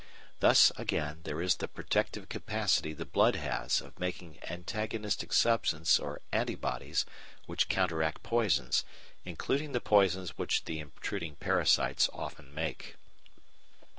Thus, again, there is the protective capacity the blood has of making antagonistic substances or "anti bodies" which counteract poisons, including the poisons which the intruding parasites often make.